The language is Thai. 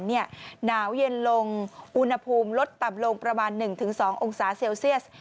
หนาวเย็นลงอุณหภูมิลดต่ำลงประมาณ๑๒องศาเซลเซียส